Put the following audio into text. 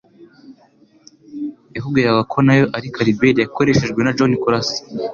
yakubwira ko nayo ari kaliberi yakoreshejwe na John kurasa